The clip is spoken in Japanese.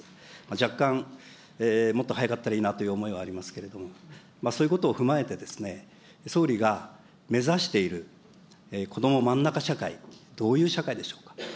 若干もっと早かったらいいなという思いはありますけれども、そういうことを踏まえてですね、総理が目指しているこどもまんなか社会、どういう社会でしょうか。